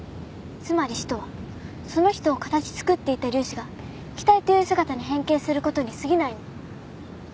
つまり死とはその人を形作っていた粒子が気体という姿に変形することにすぎないの